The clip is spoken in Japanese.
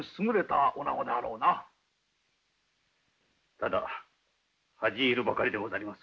ただ恥じ入るばかりでござります。